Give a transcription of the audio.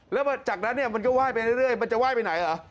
แล้วจากนั้นมันก็ไหว้ไปเรื่อยมันจะไหว้ไปไหนล่ะ